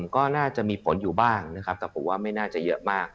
ก็น่าจะมีผลอยู่บ้างนะครับแต่ผมว่าไม่น่าจะเยอะมาก